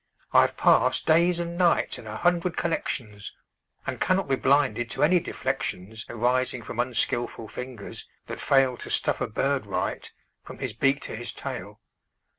I've passed days and nights in a hundred collections, And cannot be blinded to any deflections Arising from unskilful fingers that fail To stuff a bird right, from his beak to his tail.